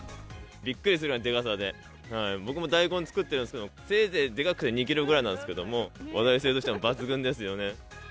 びっくりするようなでかさで、僕も大根作ってるんですけど、せいぜいでかくて２キロぐらいなんですけども、話題性としても抜群ですよね。